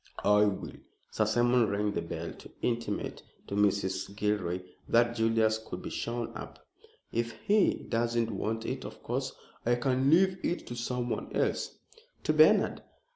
"I will." Sir Simon rang the bell to intimate to Mrs. Gilroy that Julius could be shown up. "If he doesn't want it, of course I can leave it to someone else." "To Bernard."